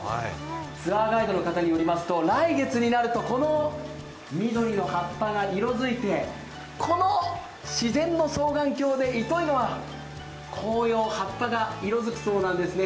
ツアーガイドの方によりますと来月になるとこの緑の葉っぱが色づいてこの自然の双眼鏡で糸魚川、紅葉、葉っぱが色づくそうなんですね。